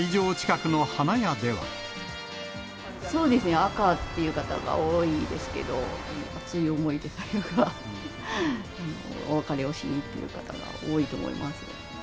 そうですね、赤っていう方が多いですけど、熱い思いでお別れをしに行ってる方が多いと思います。